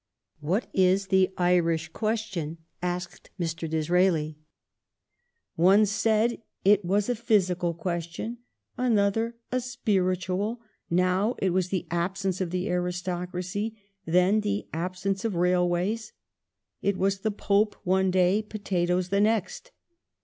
What is the "Irish question"? asked Mr. Disraeli. *' One said it was a physical question, another a spiritual ; now it was the absence of the aristocracy, then the absence of railways. It was the Pope one day, potatoes the next."